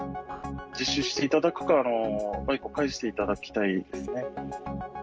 自首していただくか、バイクを返していただきたいですね。